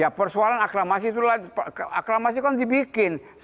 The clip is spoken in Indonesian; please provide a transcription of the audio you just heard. ya persoalan aklamasi itu aklamasi kan dianggap sebagai hal yang tidak sesuai dengan kondisi